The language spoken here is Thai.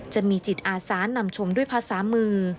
จะมีจิตอาสานำชมด้วยภาษามือ